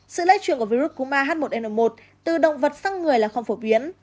sự lây chuyển của virus cúm ah một n một từ động vật sang người là không phổ biến